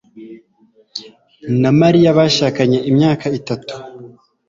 na Mariya bashakanye imyaka itatu.